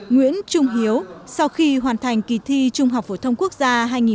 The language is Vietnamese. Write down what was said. nguyễn trung hiếu sau khi hoàn thành kỳ thi trung học phổ thông quốc gia hai nghìn một mươi tám